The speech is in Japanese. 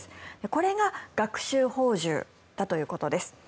これが学習放獣だということです。